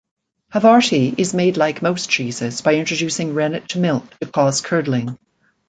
Havarti is made like most cheeses, by introducing rennet to milk to cause curdling.